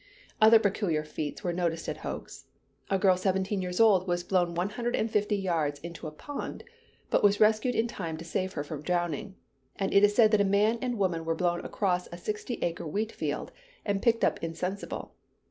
Other peculiar feats were noticed at Hough's. A girl seventeen years old was blown one hundred and fifty yards into a pond, but was rescued in time to save her from drowning; and it is said that a man and woman were blown across a sixty acre wheat field, and picked up insensible.